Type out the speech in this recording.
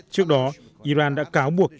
trước đó iran đã cáo buộc